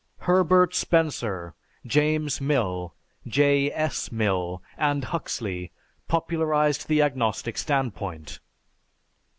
Herbert Spencer, James Mill, J. S. Mill, and Huxley popularized the agnostic standpoint.